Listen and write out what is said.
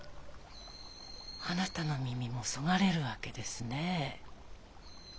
あなたの耳もそがれるわけですね。